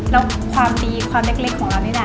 แล้วความดีความเล็กของเรานี่แหละ